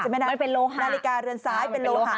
มันเป็นโลหะนาฬิกาเรือนซ้ายเป็นโลหะ